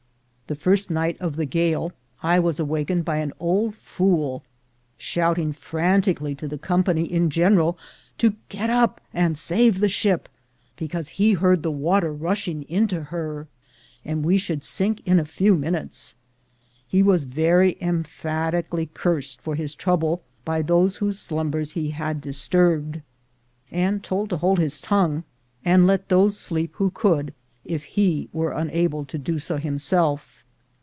The first night of the gale, I was awakened by an old fool shouting frantically to the company in general to get up and save the ship, because he heard the water rushing into her, and we should sink in a few minutes. He was very emphatically cursed for his trouble by those whose slumbers he had dis turbed, and told to hold his tongue, and let those sleep who could, if he were unable to do so himself.